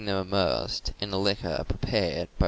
them immersed in a liquor prepared by p